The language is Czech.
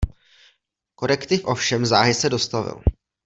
Korektiv ovšem záhy se dostavil.